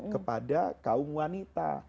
kepada kaum wanita